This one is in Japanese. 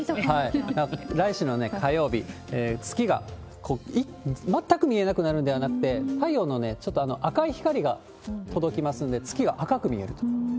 来週の火曜日、月が全く見えなくなるんではなくて、太陽のちょっと赤い光が届きますので、月が赤く見えると。